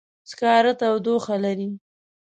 سکاره تودوخه لري.